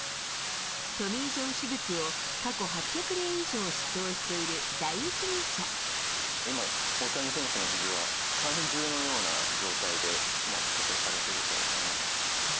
トミー・ジョン手術を過去８００今、大谷選手のひじは、三重のような状態で固定されていると思います。